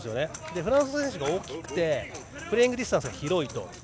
フランスの選手が大きくてプレイングディスタンスが広いと。